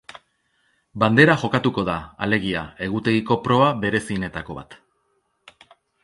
Bandera jokatuko da, alegia, egutegiko proba berezienetako bat.